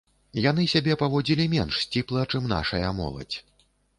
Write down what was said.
Яны сябе паводзілі менш сціпла, чым нашая моладзь.